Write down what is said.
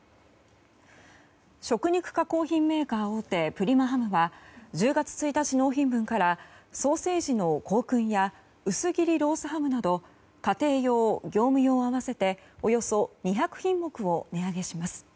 食肉加工品メーカー大手プリマハムは１０月１日納品分からソーセージの香薫やうす切りロースハムなど家庭用、業務用合わせておよそ２００品目を値上げします。